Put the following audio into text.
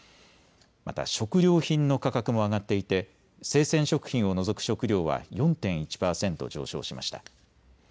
また食料品の価格も上がっていて生鮮食品を除く食料は４．１％上昇しました。